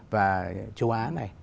và châu á này